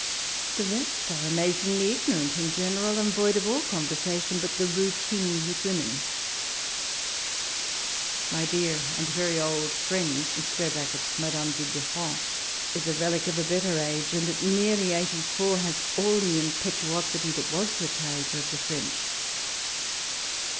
The rest are amazingly ignorant in general, and void of all conversation but the routine with women. My dear and very old friend [^Madame du DeffandJ is a relic of a better age, and at nearly eighty four has all the im petuosity that ira.t the character of the French.